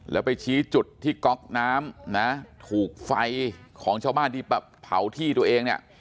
แล้วไปชี้จุดที่ก๊อกน้ำนะถูกไฟของชาวบ้านที่แบบเผาที่ตัวเองเนี่ย